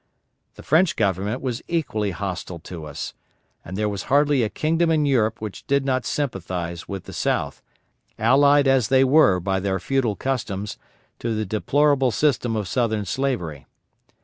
The French Government was equally hostile to us, and there was hardly a kingdom in Europe which did not sympathize with the South, allied as they were by their feudal customs to the deplorable system of Southern slavery.